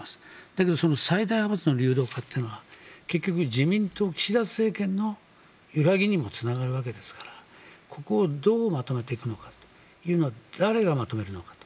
だけど最大派閥の流動化というのは結局自民党、岸田政権の揺らぎにもつながるわけですからここをどうまとめていくのか誰がまとめるのかと。